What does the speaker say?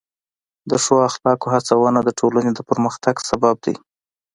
د ښو اخلاقو هڅونه د ټولنې د پرمختګ سبب ده.